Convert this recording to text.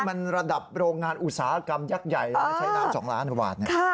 มันระดับโรงงานอุตสาหกรรมยักษ์ใหญ่ใช้น้ำ๒ล้านกว่าบาท